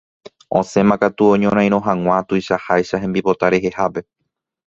Osẽmakatu oñorairõ hag̃ua tuichaháicha hembipota rehehápe.